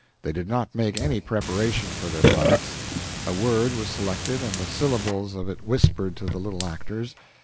They did not make any preparation for their parts. A word was selected and the syllables of it whispered to the little actors.